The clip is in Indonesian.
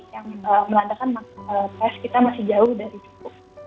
yang melandakan tes kita masih jauh dari cukup